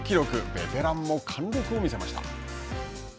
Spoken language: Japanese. ベテランも貫禄を見せました。